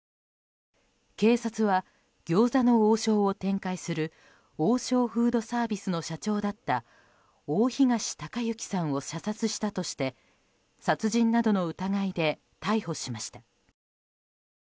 警察は、餃子の王将を展開する王将フードサービスの社長だった大東隆行さんを射殺したとして殺人などの疑いで逮捕しました。